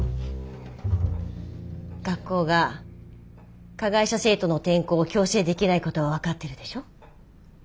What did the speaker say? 学校が加害者生徒の転校を強制できない事は分かってるでしょ。